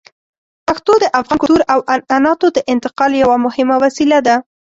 پښتو د افغان کلتور او عنعناتو د انتقال یوه مهمه وسیله ده.